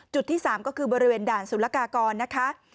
จุดที่สามก็คือบริเวณด่านศูนยากากร